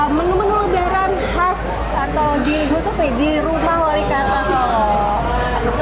menu menu lebaran khas atau di khusus nih di rumah wali kota solo